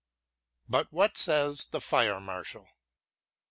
But what says the fire marshal?